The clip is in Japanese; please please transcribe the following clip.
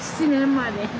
７年前に。